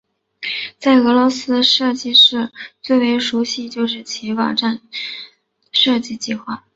在俄罗斯该设计室最为人熟悉就是其网站设计计划。